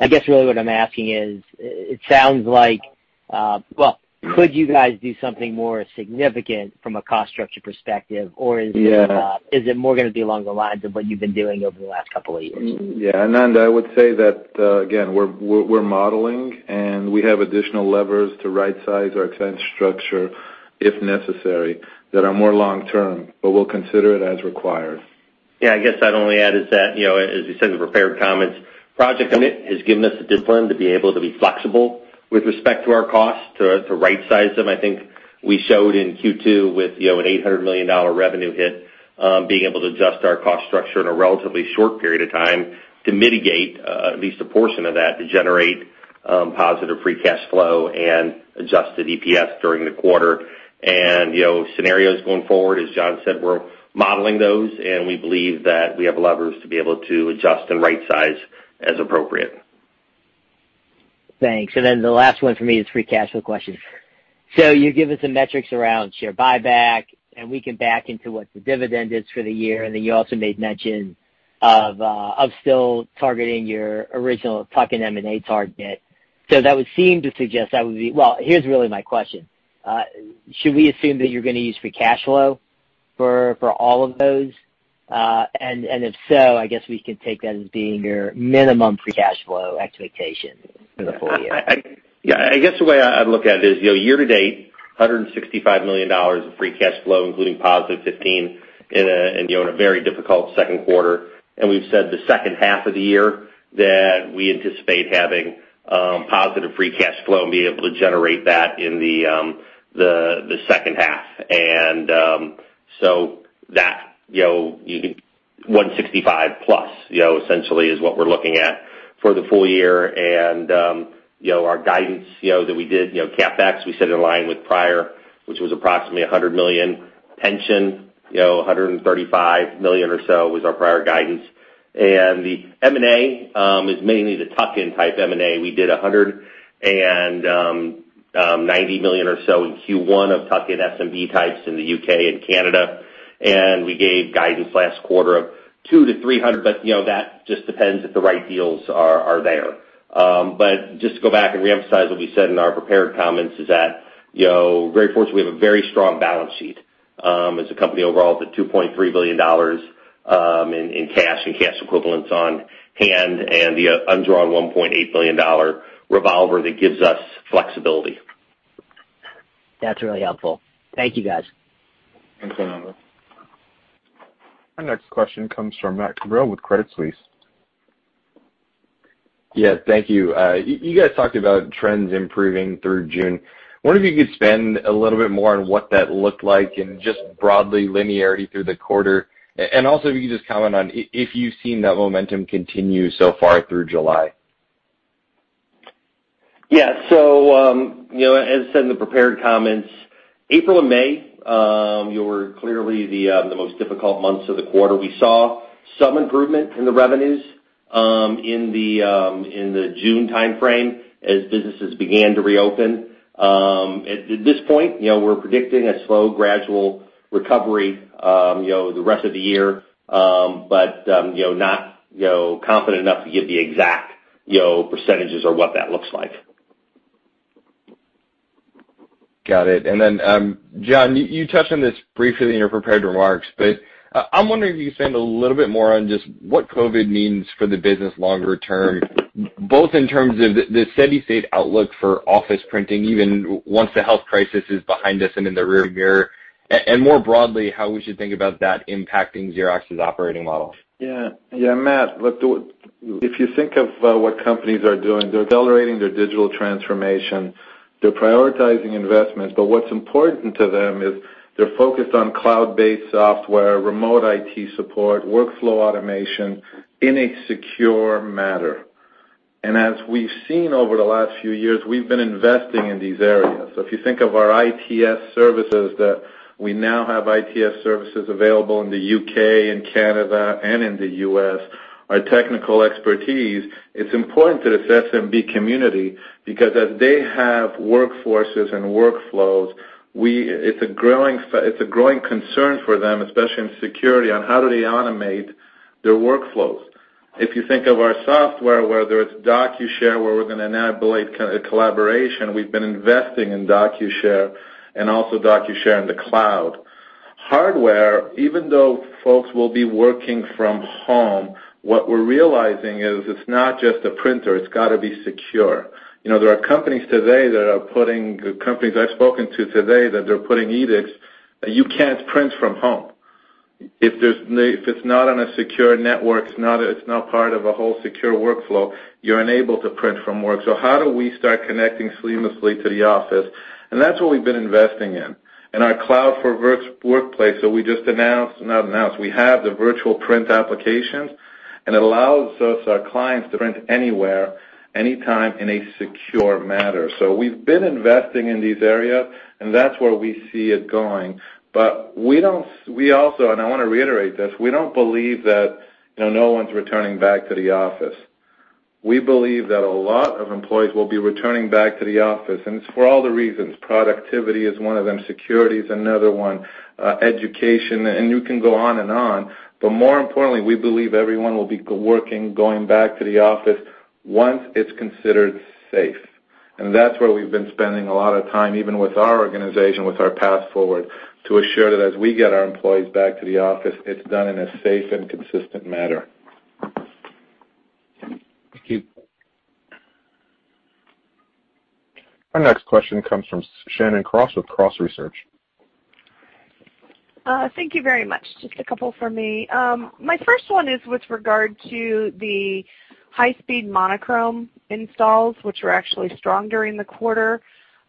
I guess really what I'm asking is it sounds like, well, could you guys do something more significant from a cost structure perspective, or is it more going to be along the lines of what you've been doing over the last couple of years? Yeah, Anand, I would say that, again, we're modeling, and we have additional levers to right-size our expense structure if necessary that are more long-term, but we'll consider it as required. Yeah, I guess I'd only add is that, as you said, the prepared comments, Project Own It has given us the discipline to be able to be flexible with respect to our cost, to right-size them. I think we showed in Q2 with an $800 million revenue hit being able to adjust our cost structure in a relatively short period of time to mitigate at least a portion of that to generate positive free cash flow and adjusted EPS during the quarter. And scenarios going forward, as John said, we're modeling those, and we believe that we have levers to be able to adjust and right-size as appropriate. Thanks. And then the last one for me is free cash flow questions. So you give us the metrics around share buyback, and we can back into what the dividend is for the year. And then you also made mention of still targeting your original Tuck-in M&A target. So that would seem to suggest that would be, well, here's really my question. Should we assume that you're going to use free cash flow for all of those? And if so, I guess we can take that as being your minimum free cash flow expectation for the full year. Yeah, I guess the way I'd look at it is year-to-date, $165 million of free cash flow, including positive $15 million in a very difficult second quarter. And we've said the second half of the year that we anticipate having positive free cash flow and be able to generate that in the second half. And so that $165 million+, essentially, is what we're looking at for the full year. And our guidance that we did, CapEx, we set in line with prior, which was approximately $100 million. Pension, $135 million or so was our prior guidance. The M&A is mainly the Tuck-in type M&A. We did $190 million or so in Q1 of Tuck-in SMB types in the U.K. and Canada. We gave guidance last quarter of $200-$300. But that just depends if the right deals are there. But just to go back and reemphasize what we said in our prepared comments is that, very fortunately, we have a very strong balance sheet as a company overall with $2.3 billion in cash and cash equivalents on hand and the undrawn $1.8 billion revolver that gives us flexibility. That's really helpful. Thank you, guys. Thanks, Anand. Our next question comes from Matt Cabral with Credit Suisse. Yeah, thank you. You guys talked about trends improving through June. I wonder if you could spend a little bit more on what that looked like and just broadly linearity through the quarter? And also, if you could just comment on if you've seen that momentum continue so far through July? Yeah, so as I said in the prepared comments, April and May were clearly the most difficult months of the quarter. We saw some improvement in the revenues in the June timeframe as businesses began to reopen. At this point, we're predicting a slow, gradual recovery the rest of the year, but not confident enough to give the exact percentages or what that looks like. Got it. And then, John, you touched on this briefly in your prepared remarks, but I'm wondering if you could spend a little bit more on just what COVID means for the business longer term, both in terms of the steady-state outlook for office printing, even once the health crisis is behind us and in the rearview mirror, and more broadly, how we should think about that impacting Xerox's operating model. Yeah. Yeah, Matt, look, if you think of what companies are doing, they're accelerating their digital transformation. They're prioritizing investments, but what's important to them is they're focused on cloud-based software, remote IT support, workflow automation in a secure manner. And as we've seen over the last few years, we've been investing in these areas. So if you think of our ITS services, that we now have ITS services available in the U.K. and Canada and in the U.S., our technical expertise, it's important to this SMB community because as they have workforces and workflows, it's a growing concern for them, especially in security, on how do they automate their workflows. If you think of our software, whether it's DocuShare, where we're going to enable collaboration, we've been investing in DocuShare and also DocuShare in the cloud. Hardware, even though folks will be working from home, what we're realizing is it's not just a printer. It's got to be secure. There are companies today that are putting, companies I've spoken to today that they're putting edicts that you can't print from home. If it's not on a secure network, it's not part of a whole secure workflow, you're unable to print from work. So how do we start connecting seamlessly to the office? And that's what we've been investing in. And our Workplace Cloud, so we just announced not announced we have the virtual print applications, and it allows us, our clients, to print anywhere, anytime, in a secure manner. So we've been investing in these areas, and that's where we see it going. But we also and I want to reiterate this we don't believe that no one's returning back to the office. We believe that a lot of employees will be returning back to the office, and it's for all the reasons. Productivity is one of them. Security is another one. Education, and you can go on and on. But more importantly, we believe everyone will be working, going back to the office once it's considered safe. And that's where we've been spending a lot of time, even with our organization, with our path forward, to assure that as we get our employees back to the office, it's done in a safe and consistent manner. Thank you. Our next question comes from Shannon Cross with Cross Research. Thank you very much. Just a couple for me. My first one is with regard to the high-speed monochrome installs, which were actually strong during the quarter.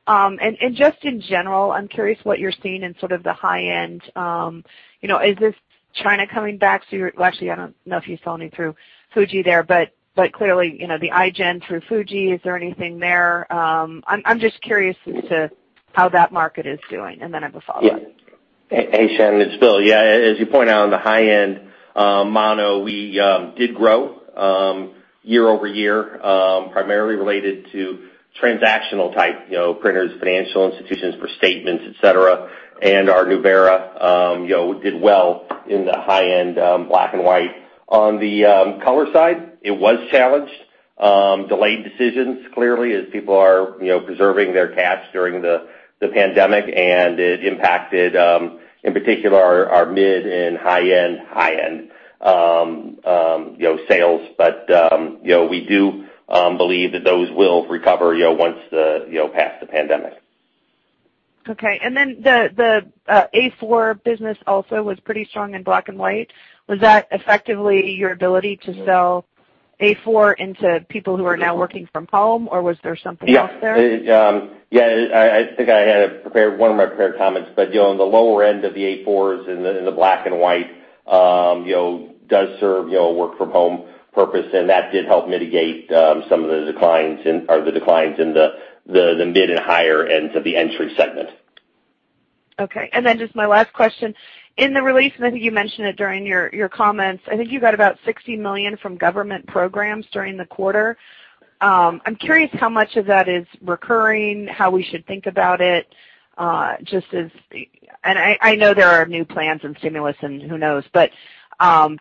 And just in general, I'm curious what you're seeing in sort of the high-end. Is this China coming back? So you're, well, actually, I don't know if you saw any through Fuji there, but clearly the iGen through Fuji, is there anything there? I'm just curious as to how that market is doing, and then I have a follow-up. Yeah. Hey, Shannon. It's Bill. Yeah, as you point out, on the high-end mono, we did grow year-over-year, primarily related to transactional type printers, financial institutions for statements, etc., and our Nuvera did well in the high-end black and white. On the color side, it was challenged. Delayed decisions, clearly, as people are preserving their cash during the pandemic, and it impacted, in particular, our mid and high-end, high-end sales. But we do believe that those will recover once the past the pandemic. Okay. And then the A4 business also was pretty strong in black and white. Was that effectively your ability to sell A4 into people who are now working from home, or was there something else there? Yeah. Yeah, I think I had one of my prepared comments, but the lower end of the A4s in the black and white does serve a work-from-home purpose, and that did help mitigate some of the declines or the declines in the mid and higher ends of the entry segment. Okay. And then just my last question. In the release, and I think you mentioned it during your comments, I think you got about $60 million from government programs during the quarter. I'm curious how much of that is recurring, how we should think about it, just as and I know there are new plans and stimulus, and who knows, but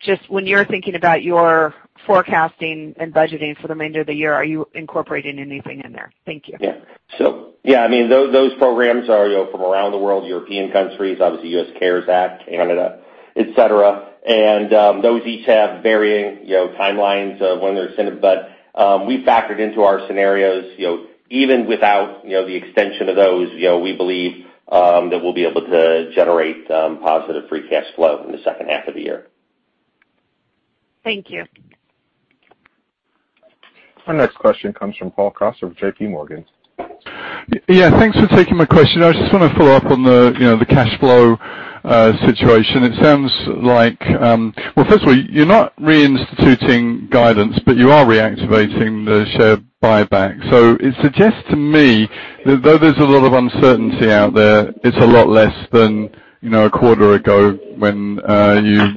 just when you're thinking about your forecasting and budgeting for the remainder of the year, are you incorporating anything in there? Thank you. Yeah. So yeah, I mean, those programs are from around the world, European countries, obviously CARES Act, Canada, etc. And those each have varying timelines of when the incentives are, but we factored into our scenarios. Even without the extension of those, we believe that we'll be able to generate positive free cash flow in the second half of the year. Thank you. Our next question comes from Paul Coster of J.P. Morgan. Yeah, thanks for taking my question. I just want to follow up on the cash flow situation. It sounds like, well, first of all, you're not reinstituting guidance, but you are reactivating the share buyback. So it suggests to me that though there's a lot of uncertainty out there, it's a lot less than a quarter ago when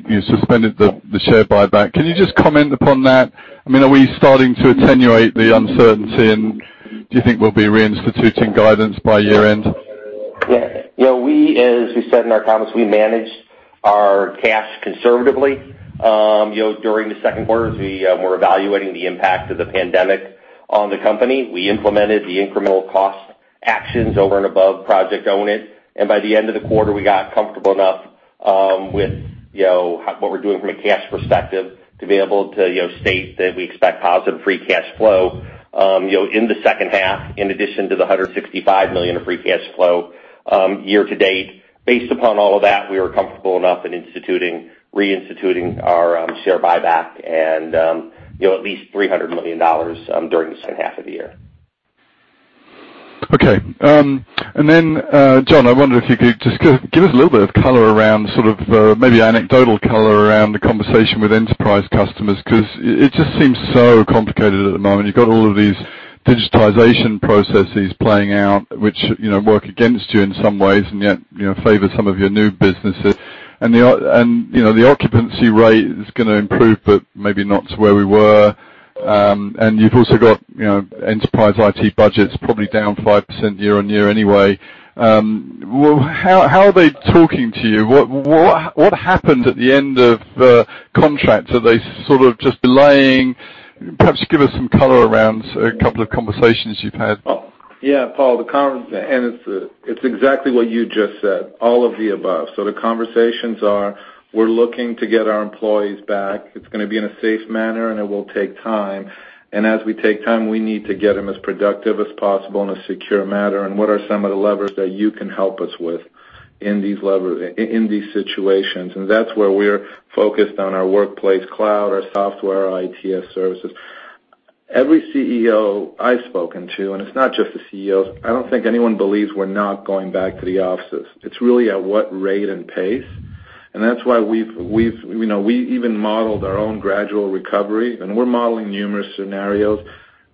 you suspended the share buyback. Can you just comment upon that? I mean, are we starting to attenuate the uncertainty, and do you think we'll be reinstituting guidance by year-end? Yeah. Yeah, as we said in our comments, we managed our cash conservatively. During the second quarter, as we were evaluating the impact of the pandemic on the company, we implemented the incremental cost actions over and above Project Own It. And by the end of the quarter, we got comfortable enough with what we're doing from a cash perspective to be able to state that we expect positive free cash flow in the second half, in addition to the $165 million of free cash flow year-to-date. Based upon all of that, we were comfortable enough in instituting reinstituting our share buyback and at least $300 million during the second half of the year. Okay. And then, John, I wonder if you could just give us a little bit of color around sort of maybe anecdotal color around the conversation with enterprise customers because it just seems so complicated at the moment. You've got all of these digitization processes playing out, which work against you in some ways and yet favor some of your new businesses. And the occupancy rate is going to improve, but maybe not to where we were. And you've also got enterprise IT budgets probably down 5% year-over-year anyway. How are they talking to you? What happens at the end of contracts? Are they sort of just delaying? Perhaps give us some color around a couple of conversations you've had. Yeah, Paul, the comment, and it's exactly what you just said, all of the above. So the conversations are, "We're looking to get our employees back. It's going to be in a safe manner, and it will take time. And as we take time, we need to get them as productive as possible in a secure manner. And what are some of the levers that you can help us with in these situations?" That's where we're focused on our Workplace Cloud, our software, our IT services. Every CEO I've spoken to, and it's not just the CEOs, I don't think anyone believes we're not going back to the offices. It's really at what rate and pace. That's why we've even modeled our own gradual recovery. We're modeling numerous scenarios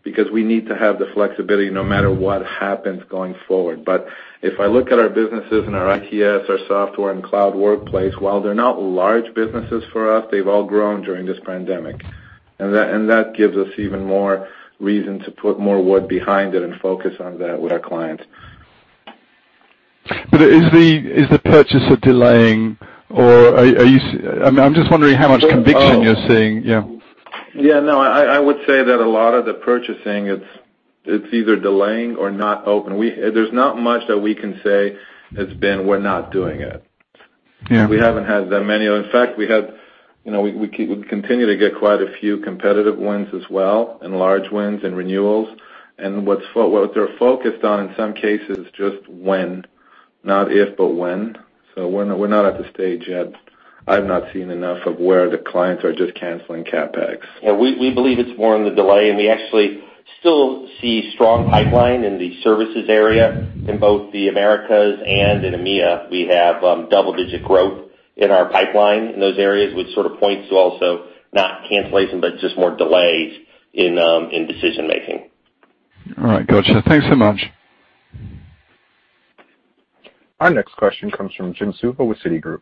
because we need to have the flexibility no matter what happens going forward. But if I look at our businesses and our IT services, our software, and Workplace Cloud, while they're not large businesses for us, they've all grown during this pandemic. That gives us even more reason to put more wood behind it and focus on that with our clients. But is the purchase a delaying, or are you, I'm just wondering how much conviction you're seeing. Yeah. Yeah. No, I would say that a lot of the purchasing, it's either delaying or not open. There's not much that we can say has been, "We're not doing it." We haven't had that many. In fact, we had we continue to get quite a few competitive wins as well and large wins and renewals. And what they're focused on in some cases is just when, not if, but when. So we're not at the stage yet. I've not seen enough of where the clients are just canceling CapEx. Yeah. We believe it's more in the delay, and we actually still see strong pipeline in the services area in both the Americas and in EMEA. We have double-digit growth in our pipeline in those areas, which sort of points to also not cancellation, but just more delays in decision-making. All right. Gotcha. Thanks so much. Our next question comes from Jim Suva with Citigroup.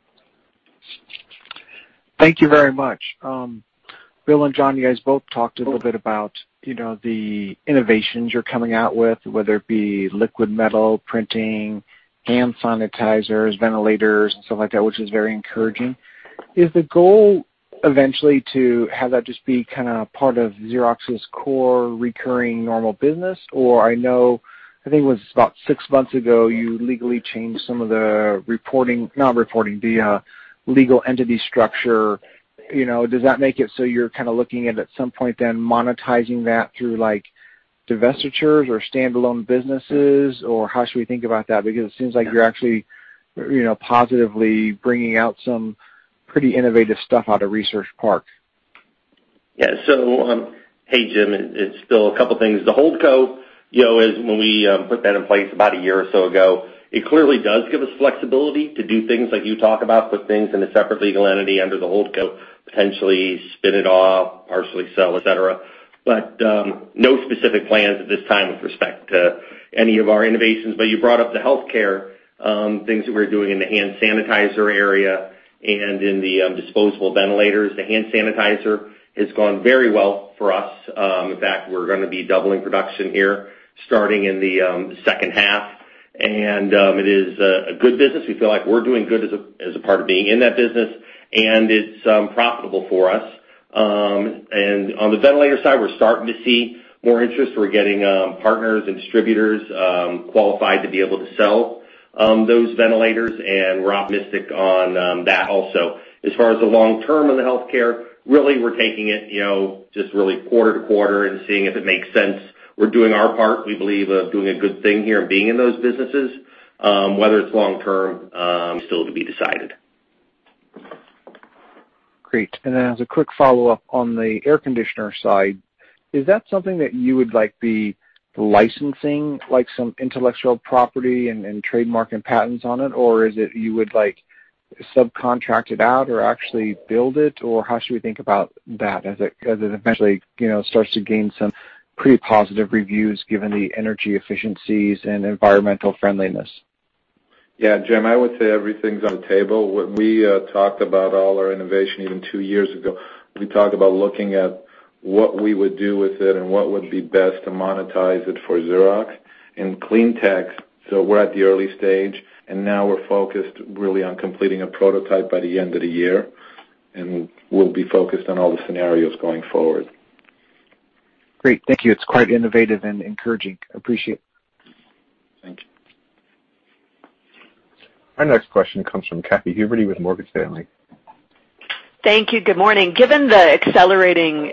Thank you very much. Bill and John, you guys both talked a little bit about the innovations you're coming out with, whether it be liquid metal printing, hand sanitizers, ventilators, and stuff like that, which is very encouraging. Is the goal eventually to have that just be kind of part of Xerox's core recurring normal business? Or I think it was about six months ago, you legally changed some of the reporting, not reporting, the legal entity structure. Does that make it so you're kind of looking at, at some point then, monetizing that through divestitures or standalone businesses? Or how should we think about that? Because it seems like you're actually positively bringing out some pretty innovative stuff out of Research Park. Yeah. So hey, Jim, it's still a couple of things. The HoldCo, when we put that in place about a year or so ago, it clearly does give us flexibility to do things like you talk about, put things in a separate legal entity under the HoldCo, potentially spin it off, partially sell, etc. But no specific plans at this time with respect to any of our innovations. But you brought up the healthcare things that we're doing in the hand sanitizer area and in the disposable ventilators. The hand sanitizer has gone very well for us. In fact, we're going to be doubling production here, starting in the second half. It is a good business. We feel like we're doing good as a part of being in that business, and it's profitable for us. On the ventilator side, we're starting to see more interest. We're getting partners and distributors qualified to be able to sell those ventilators, and we're optimistic on that also. As far as the long term of the healthcare, really, we're taking it just really quarter to quarter and seeing if it makes sense. We're doing our part, we believe, of doing a good thing here and being in those businesses, whether it's long term. Still to be decided. Great. Then as a quick follow-up on the air conditioner side, is that something that you would be licensing, like some intellectual property and trademark and patents on it? Or is it you would subcontract it out or actually build it? Or how should we think about that as it eventually starts to gain some pretty positive reviews given the energy efficiencies and environmental friendliness? Yeah, Jim, I would say everything's on the table. When we talked about all our innovation even two years ago, we talked about looking at what we would do with it and what would be best to monetize it for Xerox and Cleantech. So we're at the early stage, and now we're focused really on completing a prototype by the end of the year, and we'll be focused on all the scenarios going forward. Great. Thank you. It's quite innovative and encouraging. Appreciate it. Thank you. Our next question comes from Katy Huberty with Morgan Stanley. Thank you. Good morning. Given the accelerating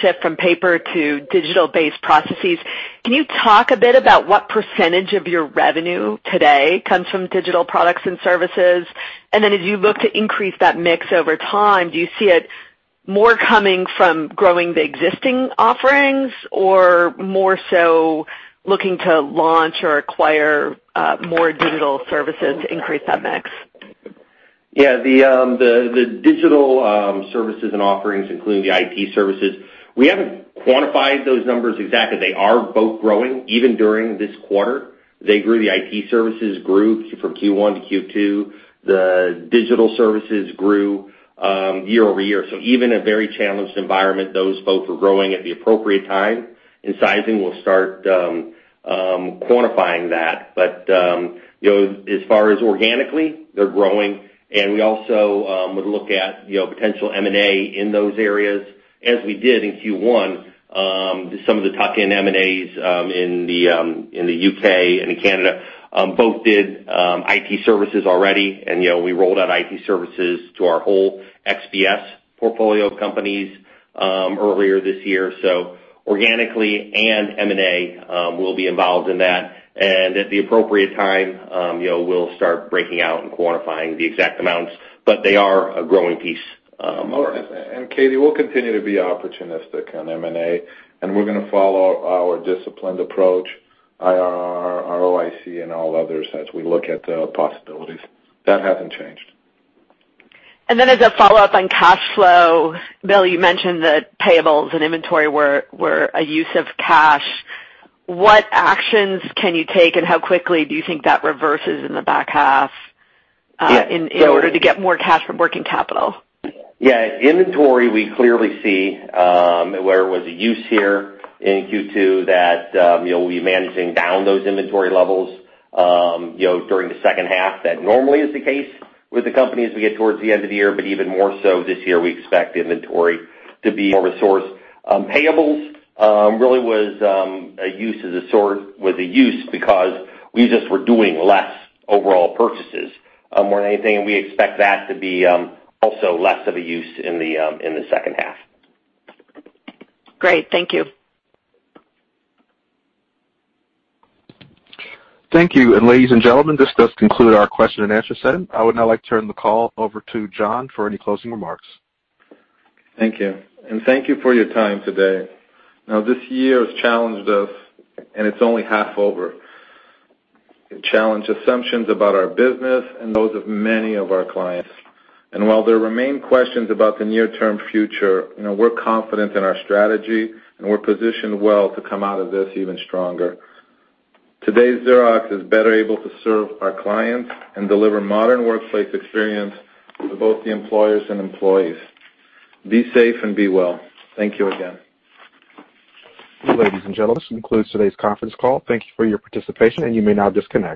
shift from paper to digital-based processes, can you talk a bit about what percentage of your revenue today comes from digital products and services? And then as you look to increase that mix over time, do you see it more coming from growing the existing offerings or more so looking to launch or acquire more digital services to increase that mix? Yeah. The digital services and offerings, including the IT services, we haven't quantified those numbers exactly. They are both growing. Even during this quarter, they grew. The IT services grew from Q1 to Q2. The digital services grew year-over-year. So even in a very challenged environment, those both were growing at the appropriate time. And sizing, we'll start quantifying that. But as far as organically, they're growing. And we also would look at potential M&A in those areas. As we did in Q1, some of the tuck-in M&As in the U.K. and in Canada both did IT services already, and we rolled out IT services to our whole XBS portfolio of companies earlier this year. Organically and M&A will be involved in that. At the appropriate time, we'll start breaking out and quantifying the exact amounts. But they are a growing piece. Katie, we'll continue to be opportunistic on M&A, and we're going to follow our disciplined approach, IRR, ROIC, and all others as we look at the possibilities. That hasn't changed. Then as a follow-up on cash flow, Bill, you mentioned that payables and inventory were a use of cash. What actions can you take, and how quickly do you think that reverses in the back half in order to get more cash from working capital? Yeah. Inventory, we clearly see where it was a use here in Q2, that we'll be managing down those inventory levels during the second half. That normally is the case with the companies as we get towards the end of the year, but even more so this year, we expect inventory to be more of a source. Payables really was a use as a source was a use because we just were doing less overall purchases more than anything, and we expect that to be also less of a use in the second half. Great. Thank you. Thank you. And ladies and gentlemen, this does conclude our question and answer session. I would now like to turn the call over to John for any closing remarks. Thank you. And thank you for your time today. Now, this year has challenged us, and it's only half over. It challenged assumptions about our business and those of many of our clients. And while there remain questions about the near-term future, we're confident in our strategy, and we're positioned well to come out of this even stronger. Today's Xerox is better able to serve our clients and deliver modern workplace experience for both the employers and employees. Be safe and be well. Thank you again. Ladies and gentlemen, this concludes today's conference call. Thank you for your participation, and you may now disconnect.